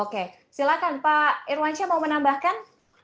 oke silakan pak irwansyah mau menambahkan